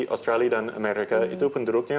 australia dan amerika itu penduduknya